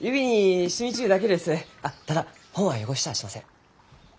あっただ本は汚しちゃあしません。